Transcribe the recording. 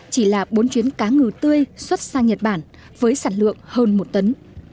chỉ là bốn chuyến cá ngừ tươi xuất sang nhật bản với sản lượng hơn một tấn